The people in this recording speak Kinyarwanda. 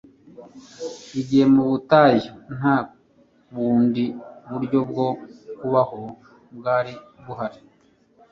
Igihe mu butayu nta bundi buryo bwo kubaho bwari buhari,